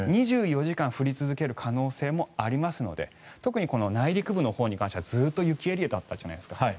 ２４時間降り続ける可能性もありますので特に、内陸部のほうに関してはずっと雪エリアだったじゃないですか。